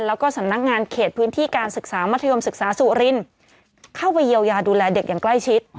แล้วก็สำนักงานเขตพื้นที่การศึกษามัธยมศึกษาสุรินทร์เข้าไปเยียวยาดูแลเด็กอย่างใกล้ชิด